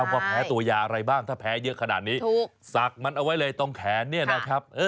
ว่าแพ้ตัวยาอะไรบ้างถ้าแพ้เยอะขนาดนี้ถูกสักมันเอาไว้เลยตรงแขนเนี่ยนะครับ